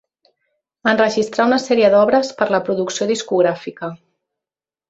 Enregistrà una sèrie d'obres per la producció discogràfica.